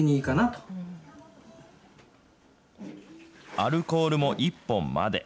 アルコールも１本まで。